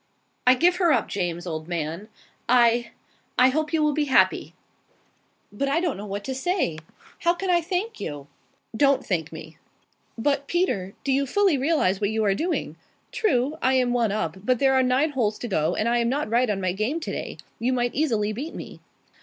"I give her up, James, old man. I I hope you will be happy." "But I don't know what to say. How can I thank you?" "Don't thank me." "But, Peter, do you fully realize what you are doing? True, I am one up, but there are nine holes to go, and I am not right on my game today. You might easily beat me.